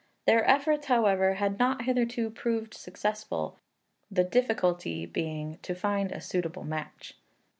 Their efforts, however, had not hitherto proved successful, the difficulty being to find a suitable match.